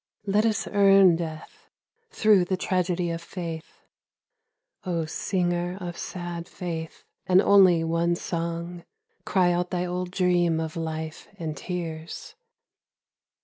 Let us earn Death through the tragedy of Faith ! O singer of sad Faith and only one song, — Cry out thy old dream of life and tears